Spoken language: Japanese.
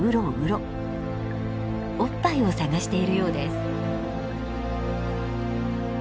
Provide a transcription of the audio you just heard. おっぱいを探しているようです。